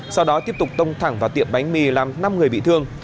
sau đó tiếp tục tông thẳng vào tiệm bánh mì làm năm người bị thương